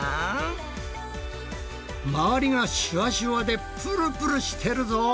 周りがシュワシュワでぷるぷるしてるぞ。